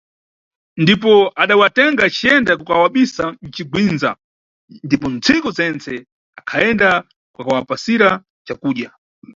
Ndipo adawatenga aciyenda kukawabisa m`cigwindza, ndipo ntsiku zentse akhayenda kukawapasira cakudya.